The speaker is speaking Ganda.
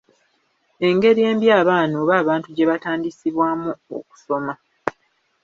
Engeri embi abaana oba abantu gye batandisibwamu okusoma.